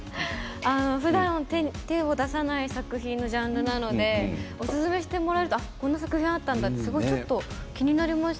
ふだん手を出さない作品のジャンルなのでおすすめしてもらえるとこんな作品があったんだとちょっと気になりました。